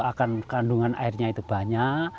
akan kandungan airnya itu banyak